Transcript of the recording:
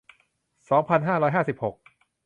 สองพันห้าร้อยห้าสิบหก